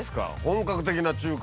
本格的な中華。